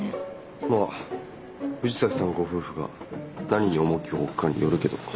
まあ藤崎さんご夫婦が何に重きを置くかによるけど。